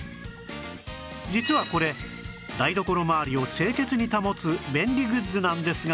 実はこれ台所回りを清潔に保つ便利グッズなんですが